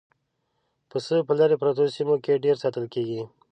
پسه په لرې پرتو سیمو کې ډېر ساتل کېږي.